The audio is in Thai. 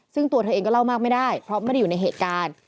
ซึ่งตัวเธอเองก็เล่ามากไม่ได้เพราะไม่ได้อยู่ในเหตุการณ์